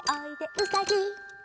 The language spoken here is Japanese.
「うさぎ」「」